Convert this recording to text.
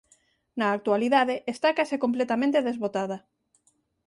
Na actualidade está case completamente desbotada.